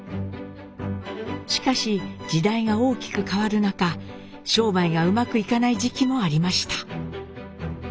しかし時代が大きく変わる中商売がうまくいかない時期もありました。